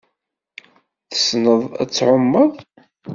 Tessneḍ ad tɛummeḍ?